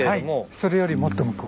それよりもっと向こう。